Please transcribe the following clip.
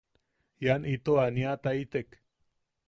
Ian ito aniataitek.